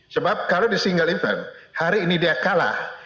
sebab kalau di single event hari ini dia kalah